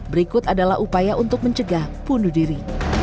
berikut adalah upaya untuk mencegah bunuh diri